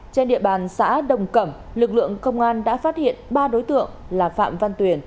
trên địa bàn xã đồng cẩm lực lượng công an đã phát hiện ba đối tượng là phạm văn tuyển